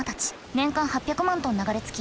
年間８００万トン流れ着き